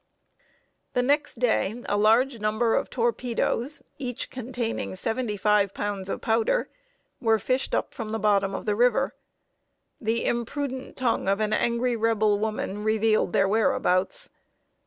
The next day, a large number of torpedoes, each containing seventy five pounds of powder, were fished up from the bottom of the river. The imprudent tongue of an angry Rebel woman revealed their whereabouts.